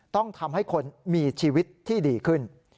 ต้องทำให้คนมีชีวิตที่ดีขึ้น